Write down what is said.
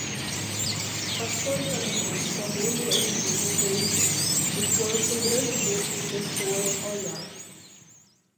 Pastores alemães correndo em um piso verde, enquanto um grande grupo de pessoas olhar.